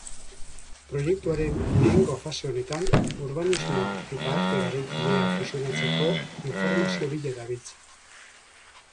Proiektuaren lehengo fase honetan urbanismoa eta arte garaikidea fusionatzeko informazio bila dabiltza.